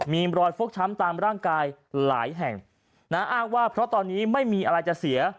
มีรอยฟกช้ำตามร่างกายหลายแห่งนะอ้างว่าเพราะตอนนี้ไม่มีอะไรจะเสีย